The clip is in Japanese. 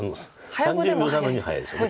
３０秒なのに早いですよね。